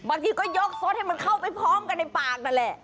บางทีก็ยกสดให้มันเข้าไปพร้อมกันในปากนั่นแหละ